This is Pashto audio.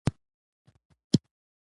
وخت دلاسه مه ورکوه !